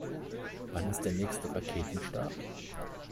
Wann ist der nächste Raketenstart?